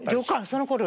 そのころ